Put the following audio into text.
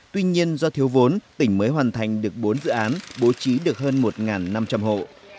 tuy nhiên do thiếu vốn tỉnh mới hoàn thành được bốn dự án bố trí được hơn một năm trăm linh hộ